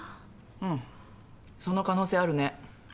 うんその可能性あるね。